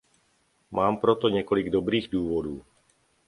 Mám pro to několik dobrých důvodů.